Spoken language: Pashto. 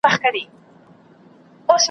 یو پراخ او ښکلی چمن دی `